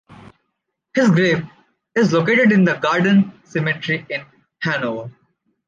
His grave is located in the garden cemetery in Hanover.